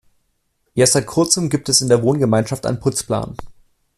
Erst seit kurzem gibt es in der Wohngemeinschaft einen Putzplan.